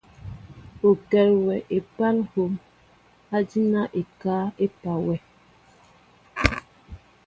O kɛl yɛɛ epal hom adina ekáá epa wɛ.